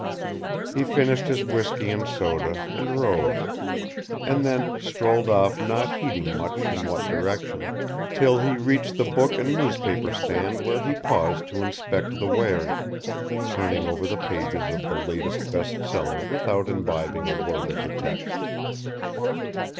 He finished his whisky and soda and rose, and then strolled off not heeding much in what direction, till he reached the book and newspaper stand where he paused to inspect the wares, turning over the pages of the latest best seller without imbibing a word of the text.